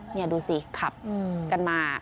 นี่ดูสิขับกันมา